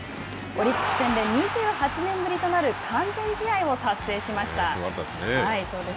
オリックス戦で２８年ぶりとなる完全試合を達成しました。